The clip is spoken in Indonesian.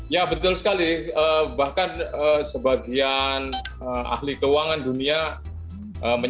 ya betul sekali bahkan sebagian ahli keuangan dunia menjelaskan